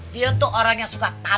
dateng ke rumah kita